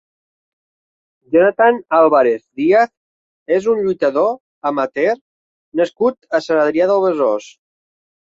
Jonathan Álvarez Díaz és un lluitador amateur nascut a Sant Adrià de Besòs.